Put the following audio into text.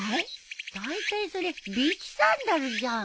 だいたいそれビーチサンダルじゃん。